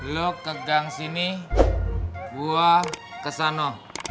lo kegang sini gue kesana